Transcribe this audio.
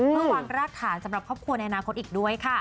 เพื่อวางรากฐานสำหรับครอบครัวในอนาคตอีกด้วยค่ะ